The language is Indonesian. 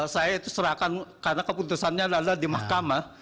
saya itu serahkan karena keputusannya adalah di mahkamah